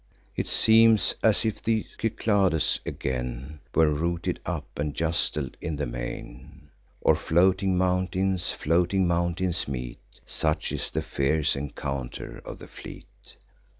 It seems, as if the Cyclades again Were rooted up, and justled in the main; Or floating mountains floating mountains meet; Such is the fierce encounter of the fleet.